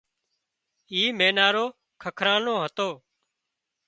اِي مينارو ککران نو هتو